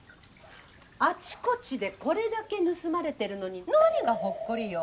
あちこちでこれだけ盗まれてるのに何がほっこりよ！